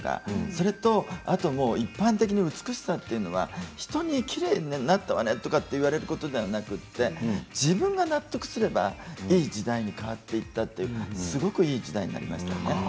それとあと一般的に美しさというのは人に、きれいになったわねと言われることではなくて自分が納得すればいい時代に変わっていったというすごくいい時代になりましたね。